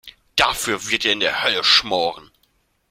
Dafür wird er in der Hölle schmoren.